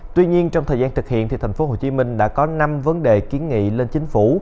tuy nhiên trong thời gian thực hiện thành phố hồ chí minh đã có năm vấn đề kiến nghị lên chính phủ